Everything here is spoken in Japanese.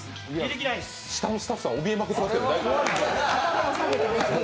下のスタッフさんおびえまくってますけど、大丈夫？